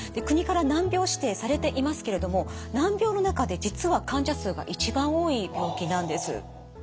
国から難病指定されていますけれども難病の中で実は患者数が一番多い病気なんです。